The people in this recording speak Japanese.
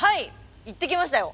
行ってきましたよ。